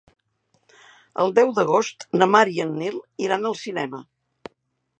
El deu d'agost na Mar i en Nil iran al cinema.